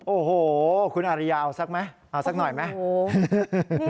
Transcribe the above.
โอ้โฮคุณะเรียเอาสักหน่อยไหม